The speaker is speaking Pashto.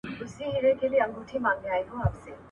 • خداى چا نه دئ ليدلی، مگر پر قدرتو ئې پېژني.